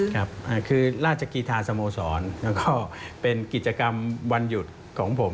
ครับคือราชกีธาสโมสรแล้วก็เป็นกิจกรรมวันหยุดของผม